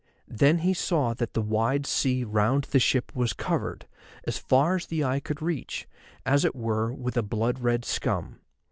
Then he saw that the wide sea round the ship was covered, as far as the eye could reach, as it were with a blood red scum.